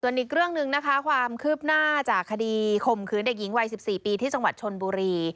อีกเรื่องหนึ่งนะคะความคืบหน้าจากคดีข่มขืนเด็กหญิงวัย๑๔ปีที่จังหวัดชนบุรี